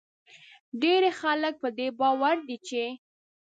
ډیری خلک په دې باور دي چې